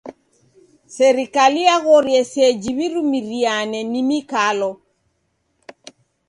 Serikali yaghorie seji w'irumiriane ni mikalo.